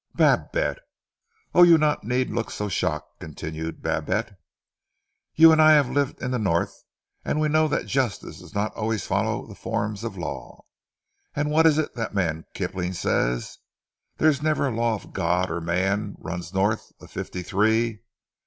"Babette!" "Oh, you need not look so shocked," continued Babette. "You and I have lived in the North, and we know that justice does not always follow the forms of law. And what is it that man Kipling says, 'There's never a Law of God or man runs North of fifty three.